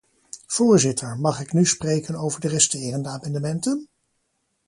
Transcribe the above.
Voorzitter, mag ik nu spreken over de resterende amendementen?